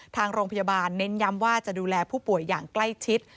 ทางโรงพยาบาลเน้นย้ำว่าจะดูแลผู้ป่วยอย่างใกล้ชิด